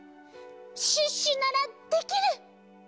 シュッシュならできる！